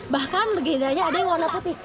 bahkan legendanya ada yang warna putih